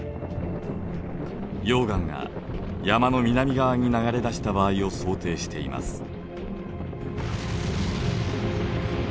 溶岩が山の南側に流れ出した場合を想定しています。